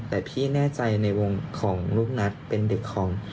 แต่พี่แน่ใจในวงของลูกนัทเป็นเด็กของ